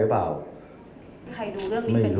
เอาไว้